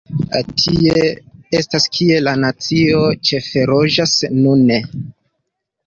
Tie estas kie la nacio ĉefe loĝas nune.